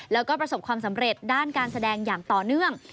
แล้วก็ประสบความสำเร็จด้านการแสดงอย่างต่อเนื่อง